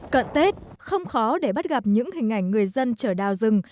cận tết không khó để bắt gặp những hình ảnh người dân chở đào rừng